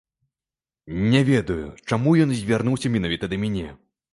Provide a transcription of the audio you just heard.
Не ведаю, чаму ён звярнуўся менавіта да мяне.